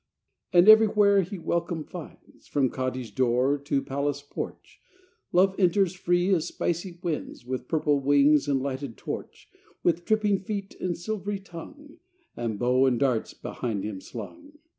And everywhere he welcome finds, From cottage door to palace porch Love enters free as spicy winds, With purple wings and lighted torch, With tripping feet and silvery tongue, And bow and darts behind him slung.